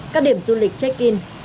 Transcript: các điểm du lịch check in